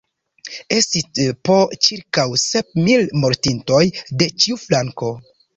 Estis po ĉirkaŭ sep mil mortintoj de ĉiu flanko.